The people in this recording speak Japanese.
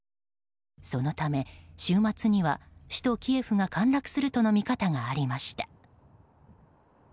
そのため週末には首都キエフが陥落するとの見方がありました。